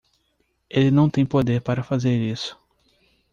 Ele não tem poder para fazer isso